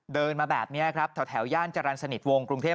เดินมาแบบนี้ครับแถวย่านจรรย์สนิทวงกรุงเทพ